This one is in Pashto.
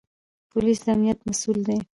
پولیس د امنیت مسوول دی